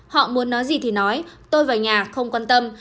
họ muốn nói gì thì nói tôi vào nhà không quan tâm